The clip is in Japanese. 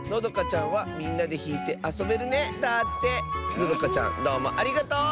のどかちゃんどうもありがとう！